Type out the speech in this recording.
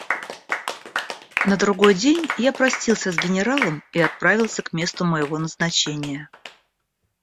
На другой день я простился с генералом и отправился к месту моего назначения.